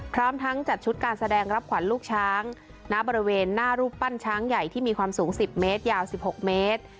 พร้อมทั้งจัดชุดการแสดงรับขวัญลูกช้างณบริเวณหน้ารูปปั้นช้างใหญ่ที่มีความสูง๑๐เมตรยาว๑๖เมตร